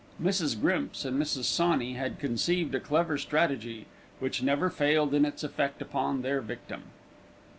Mrs. Grimps and Mrs. Sawney had conceived a clever strategy, which never failed in its effect upon their victim.